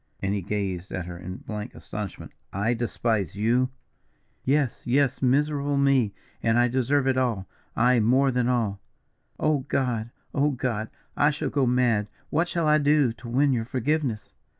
and he gazed at her in blank astonishment; "I despise you?" "Yes, yes, miserable me, and I deserve it all, aye, more than all. Oh, God! oh, God! I shall go mad. What shall I do to win your forgiveness?"